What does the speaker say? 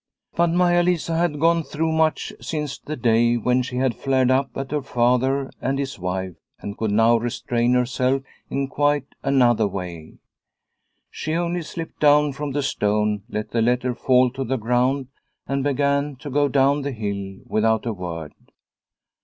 But Maia Lisa had gone through much since the day when she had flared up at her father and his wife and could now restrain herself in quite another way. She only slipped down from the stone, let the letter fall to the ground, and began to go down the hill without a word.